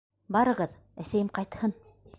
— Барығыҙ, әсәйем ҡайтһын.